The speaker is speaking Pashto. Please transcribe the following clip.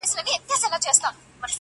د خپل ورور زړه یې څیرلی په خنجر دی!